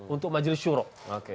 untuk majelis syurok